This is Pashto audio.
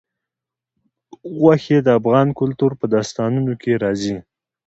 غوښې د افغان کلتور په داستانونو کې راځي.